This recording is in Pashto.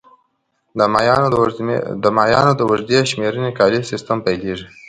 د مایانو د اوږدې شمېرنې کالیز سیستم پیلېږي